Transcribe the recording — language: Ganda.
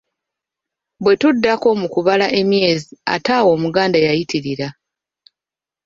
"Bwe tuddako mu kubala emyezi, ate awo Omuganda yayitirira!"